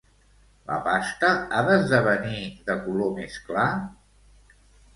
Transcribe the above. La pasta ha d'esdevenir de color més clar?